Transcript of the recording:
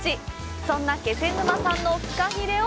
そんな気仙沼産のフカヒレを